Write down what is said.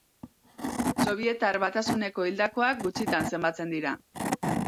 Sobietar Batasuneko hildakoak gutxitan zenbatzen dira.